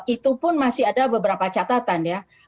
itu pun masih ada beberapa catatan ya